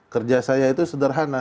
kerja saya itu sederhana